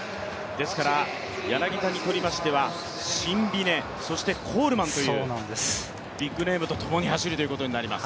柳田にとりましては、シンビネ、コールマンというビッグネームとともに走ることになります。